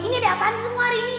ini ada apaan semua hari ini